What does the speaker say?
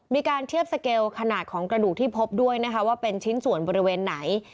มีการเทียบสเกลขนาดของกระดูกที่พบด้วยนะคะว่าเป็นชิ้นส่วนบริเวณไหน